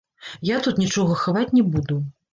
Я тут нічога хаваць не буду.